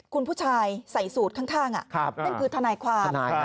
คุณผู้ชายใส่สูตรข้างนั่นคือทนายความ